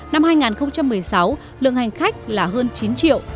năm hai nghìn một mươi sáu lượng hành khách là hơn chín triệu